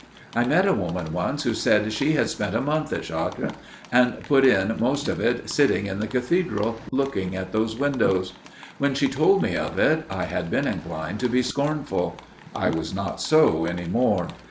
I met a woman once who said she had spent a month at Chartres and put in most of it sitting in the cathedral, looking at those windows. When she told me of it I had been inclined to be scornful. I was not so any more.